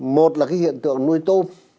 một là cái hiện tượng nuôi tôm